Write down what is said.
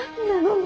もう！